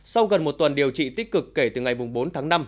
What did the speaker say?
sau gần một tuần điều trị tích cực kể từ ngày bốn tháng năm